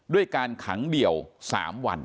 ด้วยการขังเดี่ยว๓วัน